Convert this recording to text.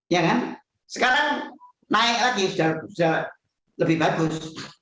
ya kan sekarang naik lagi sudah lebih bagus